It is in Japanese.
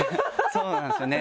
そうなんですよね